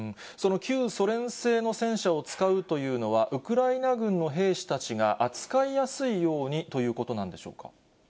その旧ソ連製の戦車を使うというのは、ウクライナ軍の兵士たちが扱いやすいようにということなんでしょ